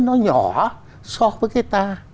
nó nhỏ so với cái ta